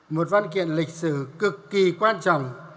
một văn kiện lịch sử cực kỳ quan trọng